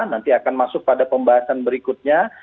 nanti akan masuk pada pembahasan berikutnya